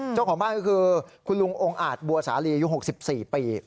เจ้าของบ้านก็คือคุณลุงองค์อาจบัวสาลีอายุ๖๔ปี